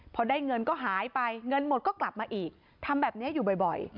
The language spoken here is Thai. พอได้เงินก็หายไปเงินหมดก็กลับมาอีกทำแบบนี้อยู่บ่อย